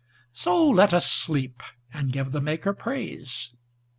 So let us sleep, and give the Maker praise.